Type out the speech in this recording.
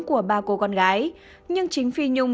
của ba cô con gái nhưng chính phi nhung